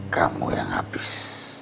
kamu yang habis